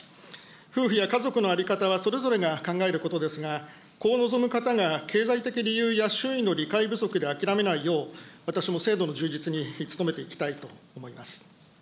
夫婦や家族の在り方はそれぞれが考えることですが、子を望む方が経済的理由や周囲の理解不足で諦めないよう、私も制度の充実に努めていきたいと思います。